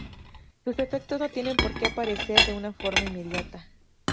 Sus efectos no tienen porque aparecer de una forma inmediata.